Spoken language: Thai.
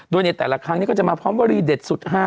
โดยในแต่ละครั้งนี้ก็จะมาพร้อมวรีเด็ดสุด๕